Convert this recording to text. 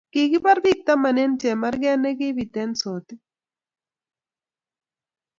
kikipar pik taman en chemarket nekipit en sotik